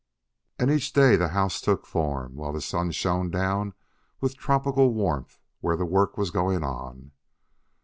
And each day the house took form, while the sun shone down with tropical warmth where the work was going on.